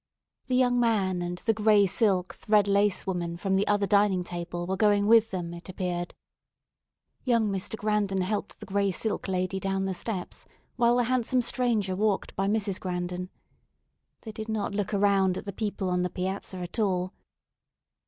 The young man and the gray silk, thread lace woman from the other dining table were going with them, it appeared. Young Mr. Grandon helped the gray silk lady down the steps while the handsome stranger walked by Mrs. Grandon. They did not look around at the people on the piazza at all.